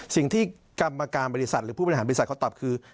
สิ่งที่กรรมการบริษัทหรือผู้บริหารบริษัทเขาตอบคือ